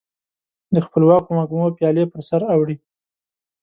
د خپلواکو وږمو پیالي پر سر اړوي